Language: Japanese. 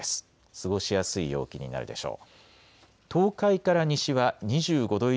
過ごしやすい陽気になるでしょう。